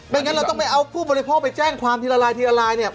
งั้นเราต้องไปเอาผู้บริโภคไปแจ้งความทีละลายทีละลายเนี่ย